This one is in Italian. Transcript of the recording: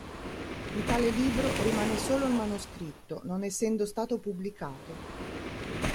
Di tale libro rimane solo il manoscritto, non essendo stato pubblicato.